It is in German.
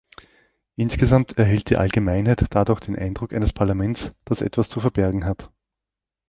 Insgesamt erhält die Allgemeinheit dadurch den Eindruck eines Parlaments, das etwas zu verbergen hat.